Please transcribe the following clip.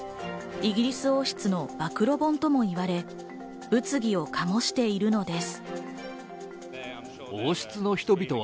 イギリス王室の暴露本ともいわれ、物議を醸しているのです。